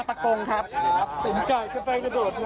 รักทุกอย่างเป็นชื่อเมียผมหมดเลย